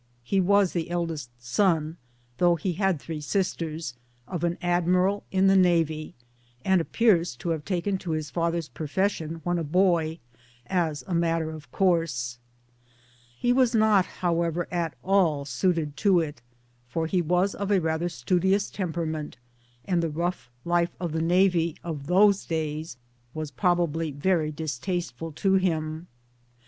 He was the eldest son though he had three sisters of an Admiral in the Navy, and appears to have taken to his father's profession, when a boy, as a rriatter of course. He was not, however, at all suited to it, for he was of a rather studious temperament, and the rough life of the Navy of those days was probably very distasteful to him.